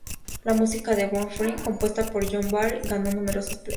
La música de "Born Free", compuesta por John Barry, ganó numerosos premios.